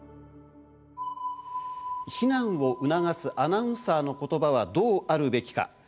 避難を促すアナウンサーの言葉はどうあるべきか。